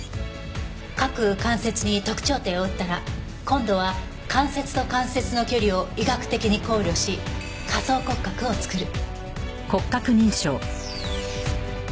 各関節に特徴点を打ったら今度は関節と関節の距離を医学的に考慮し仮想骨格を作る。